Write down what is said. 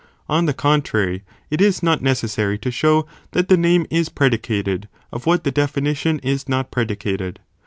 On the contrary, it is not necessary to show that the name is predicated, of what the definition is not « Buhle and Predicated.